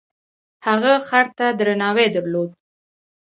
هغه خر ته درناوی درلود.